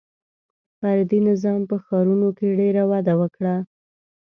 • فردي نظام په ښارونو کې ډېر وده وکړه.